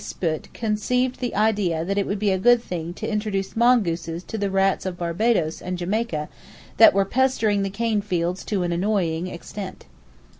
B. Espeut conceived the idea that it would be a good thing to introduce mongooses to the rats of Barbadoes and Jamaica that were pestering the cane fields to an annoying extent.